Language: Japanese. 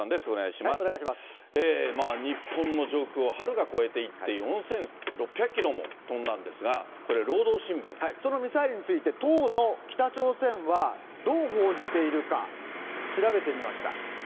日本の上空をはるか越えていって、４６００キロも飛んだんでそのミサイルについて、当の北朝鮮はどう報じているか、調べてみました。